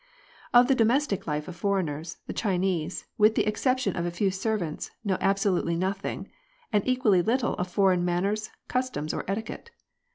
Of the domestic life of foreigners, the Chinese, with the exception of a few servants, know absolutely nothing ; and equally little of foreign manners, cus toms, or etiquette.